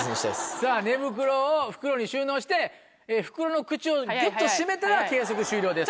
さぁ寝袋を袋に収納して袋の口をぎゅっと閉めたら計測終了です。